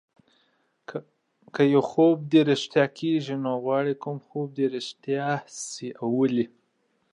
که … که يو خوب دې رښتيا کيږي، نو غواړې کوم خوب دې رښتيا سي او ولې؟